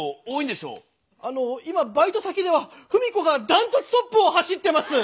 あの今バイト先ではふみこが断トツトップを走ってます！